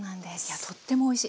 とってもおいしい。